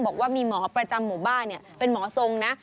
บอกว่ามีหมอประจำหมู่บ้านเป็นหมอทรงนะ